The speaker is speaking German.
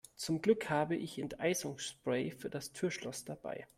Zum Glück habe ich Enteisungsspray für das Türschloss dabei.